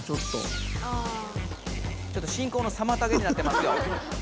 ちょっと進行のさまたげになってますよ。